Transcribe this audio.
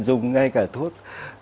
dùng ngay cả thuốc